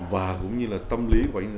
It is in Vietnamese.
và cũng như là tâm lý của anh